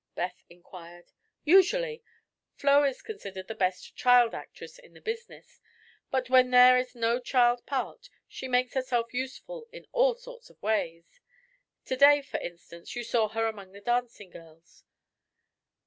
Beth inquired. "Usually. Flo is considered the best 'child actress' in the business, but when there is no child part she makes herself useful in all sorts of ways. To day, for instance, you saw her among the dancing girls.